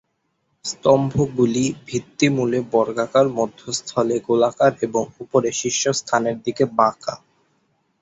স্তম্ভগুলি ভিত্তিমূলে বর্গাকার, মধ্যস্থলে গোলাকার এবং উপরে শীর্ষস্থানের দিকে বাঁকা।